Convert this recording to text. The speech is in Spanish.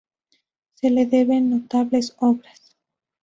Se le deben notables obras.